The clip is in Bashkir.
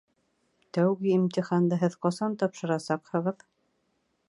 Тәүге имтиханды һеҙ ҡасан тапшырасаҡһығыҙ?